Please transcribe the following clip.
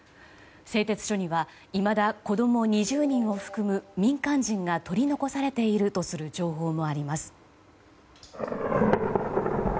製鉄所にはいまだ子供２０人を含む民間人が取り残されているとする情報もあります。